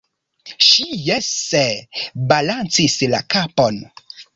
Ŝi jese balancis la kapon.